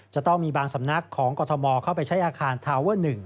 จะต้องมีบางสำนักของกรทมเข้าไปใช้อาคารทาวเวอร์๑